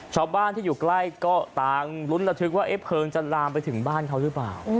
ชาวบ้านที่อยู่ใกล้ก็ต่างลุ้นระทึกว่าเพลิงจะลามไปถึงบ้านเขาหรือเปล่า